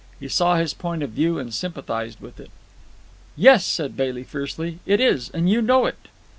He saw his point of view and sympathized with it. "Yes," said Bailey fiercely. "It is, and you know it."